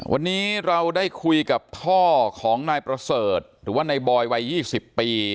วันนี้เราได้คุยกับพ่อของนายประเสริฐหรือว่านายบอยวัย๒๐ปี